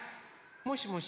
もしもし？